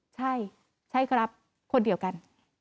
ใช่ใช่ครับคนเดียวกัน